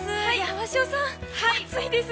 鷲尾さん、暑いです。